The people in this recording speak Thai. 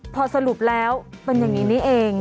พอสรุปแล้วเป็นอย่างนี้นี่เอง